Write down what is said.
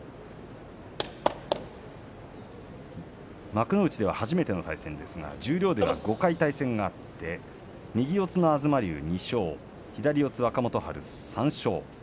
幕内では初めての対戦ですが十両では５回対戦があって右四つの東龍２勝左四つ若元春３勝です。